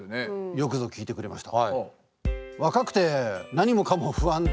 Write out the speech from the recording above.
よくぞ聞いてくれました。